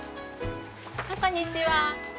こんにちは。